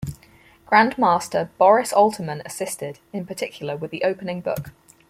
Grandmaster Boris Alterman assisted, in particular with the opening book.